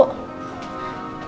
mari bu sarah